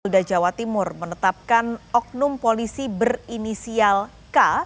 polda jawa timur menetapkan oknum polisi berinisial k